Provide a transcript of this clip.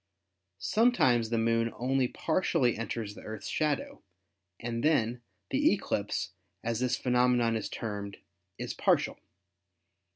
Sometimes the Moon only par tially enters the Earth's shadow and then the eclipse, as this phenomenon is termed, is partial.